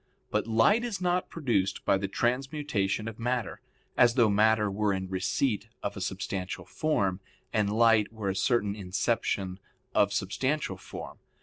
But light is not produced by the transmutation of matter, as though matter were in receipt of a substantial form, and light were a certain inception of substantial form.